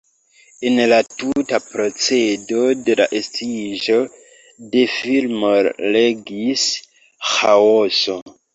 En la tuta procedo de la estiĝo de filmo regis ĥaoso.